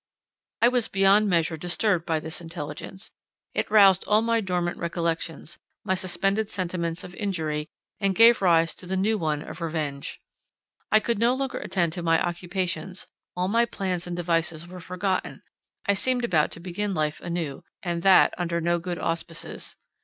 I was beyond measure disturbed by this intelligence. It roused all my dormant recollections, my suspended sentiments of injury, and gave rise to the new one of revenge. I could no longer attend to my occupations; all my plans and devices were forgotten; I seemed about to begin life anew, and that under no good auspices.